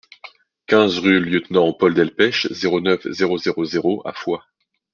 quinze rue Lieutenant Paul Delpech, zéro neuf, zéro zéro zéro à Foix